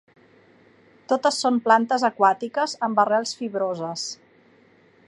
Totes són plantes aquàtiques amb arrels fibroses.